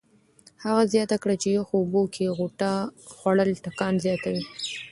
هغه زیاته کړه چې یخو اوبو کې غوطه خوړل ټکان زیاتوي.